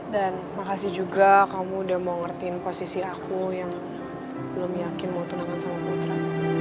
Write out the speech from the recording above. dan makasih juga kamu udah mau ngertiin posisi aku yang belum yakin mau tunangan sama putra